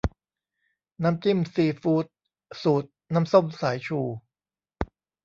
น้ำจิ้มซีฟู้ด สูตรน้ำส้มสายชู